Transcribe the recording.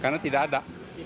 karena tidak ada